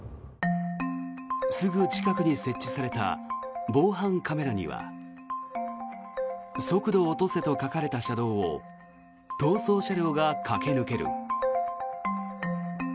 すぐ近くに設置された防犯カメラには速度を落とせと書かれた車道を逃走車両が駆け抜ける。